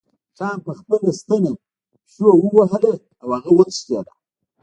ټام په خپلې ستنې پیشو ووهله او هغه وتښتیده.